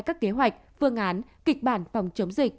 các kế hoạch phương án kịch bản phòng chống dịch